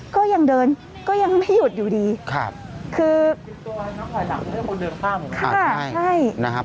ก็ยังเดินก็ยังไม่หยุดอยู่ดีครับคือตัวให้นับหลายหลังให้คนเดินข้าม